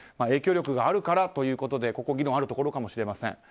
影響力があるからということでここは議論があるところかもしれません。